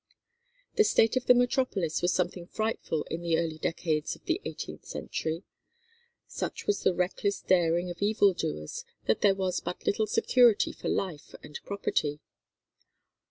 The state of the metropolis was something frightful in the early decades of the eighteenth century. Such was the reckless daring of evil doers that there was but little security for life and property.